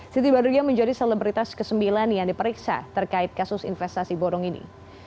siti badugia menjadi selebritas ke sembilan yang diperiksa terkait kasus investasi bodong ini